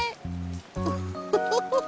ウフフフ。